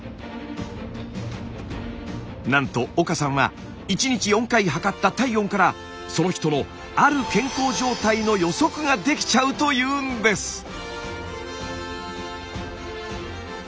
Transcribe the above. なんと岡さんは１日４回測った体温からその人のある健康状態の予測ができちゃうというんです！